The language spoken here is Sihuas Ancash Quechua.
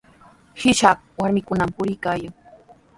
Ishakaq warmikunami puriykaayan.